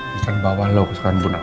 bukan bawah lo kesukaan bu nawang